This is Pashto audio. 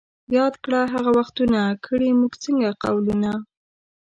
یاد کړه ته هغه وختونه ـ کړي موږ څنګه قولونه